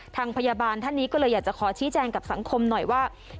ทางพยาบาลท่านนี้ก็เลยอยากจะขอชี้แจงกับสังคมหน่อยว่า